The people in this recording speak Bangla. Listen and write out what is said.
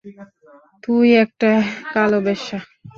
তুই একটা কালো বেশ্যা!